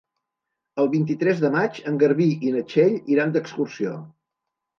El vint-i-tres de maig en Garbí i na Txell iran d'excursió.